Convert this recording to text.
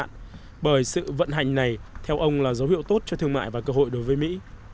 tự vận hành này theo ông là dấu hiệu tốt cho thương mại và cơ hội đối với mỹ